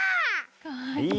かわいい。